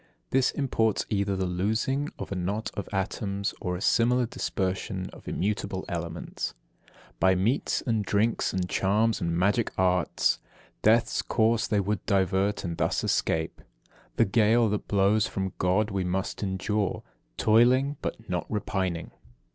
This imports either the loosing of a knot of atoms, or a similar dispersion of immutable elements. 51. By meats and drinks, and charms and magic arts Death's course they would divert, and thus escape. ....... The gale that blows from God we must endure, Toiling, but not repining.....